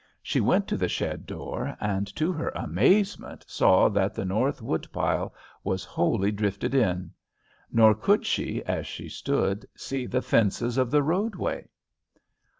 She went to the shed door, and to her amazement saw that the north wood pile was wholly drifted in! Nor could she, as she stood, see the fences of the roadway!